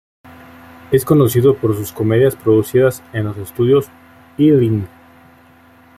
Es conocido por sus comedias producidas en los Estudios Ealing.